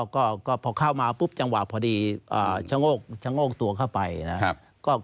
ก็พอเข้ามาปุ๊บจังหวะพอดีชะโงกตัวเข้าไปนะครับ